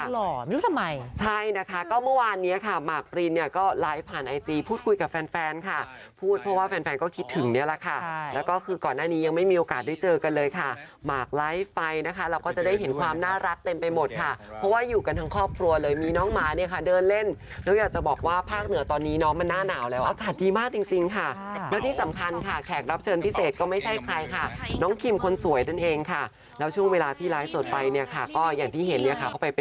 ไลฟ์ผ่านไอจีพูดคุยกับแฟนค่ะพูดเพราะว่าแฟนก็คิดถึงเนี่ยละค่ะแล้วก็คือก่อนหน้านี้ยังไม่มีโอกาสได้เจอกันเลยค่ะหมากไลฟ์ไฟนะคะเราก็จะได้เห็นความน่ารักเต็มไปหมดค่ะเพราะว่าอยู่กันทั้งครอบครัวเลยมีน้องหมาเนี่ยค่ะเดินเล่นแล้วอยากจะบอกว่าภาคเหนือตอนนี้น้องมันน่าหนาวแล้วอากาศดี